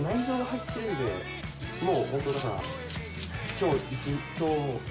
今日。